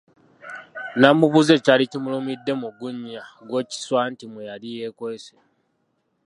Namubuuza ekyali kimulumidde mu gunnya gw’ekiswa anti mwe yali yeekwese.